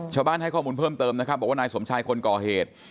ให้ข้อมูลเพิ่มเติมนะครับบอกว่านายสมชายคนก่อเหตุ